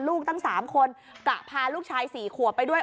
ลูกตั้ง๓คนกะพาลูกชาย๔ขวบไปด้วย